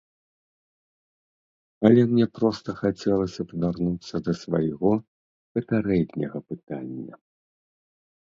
Але мне проста хацелася б вярнуцца да свайго папярэдняга пытання.